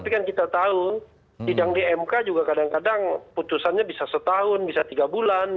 karena kita tahu di yang di mk juga kadang kadang putusannya bisa setahun bisa tiga bulan